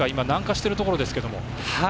南下しているところですけれども。